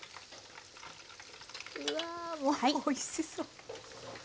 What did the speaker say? うわもうおいしそう！